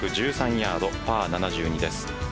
ヤードパー７２です。